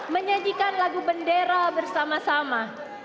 menyajikan lagu bendera bersama sama